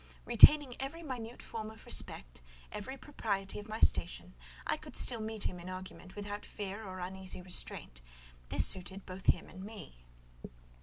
Retaining every minute form of respect, every propriety of my station, I could still meet him in argument without fear or uneasy restraint; this suited both him and me.